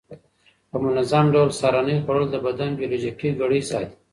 په منظم ډول سهارنۍ خوړل د بدن بیولوژیکي ګړۍ ساتي.